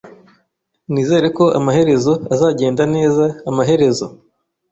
Nizere ko amaherezo azagenda neza amaherezo